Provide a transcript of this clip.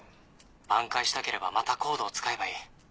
挽回したければまたＣＯＤＥを使えばいい。